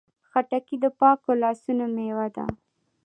خټکی د پاکو لاسونو میوه ده.